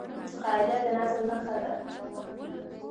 قاعده د نظم نخښه ده.